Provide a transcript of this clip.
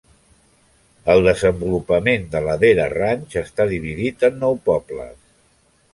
El desenvolupament de Ladera Ranch està dividit en nou "pobles".